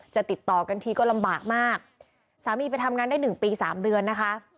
ติดต่อกันทีก็ลำบากมากสามีไปทำงานได้หนึ่งปีสามเดือนนะคะ